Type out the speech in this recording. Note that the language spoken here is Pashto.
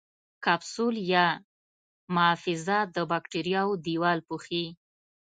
کپسول یا محفظه د باکتریاوو دیوال پوښي.